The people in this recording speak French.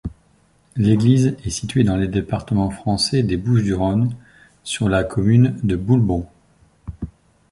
L'église est située dans le département français des Bouches-du-Rhône, sur la commune de Boulbon.